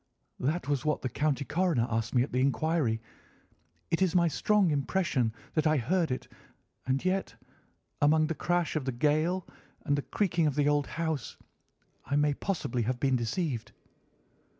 "That was what the county coroner asked me at the inquiry. It is my strong impression that I heard it, and yet, among the crash of the gale and the creaking of an old house, I may possibly have been deceived."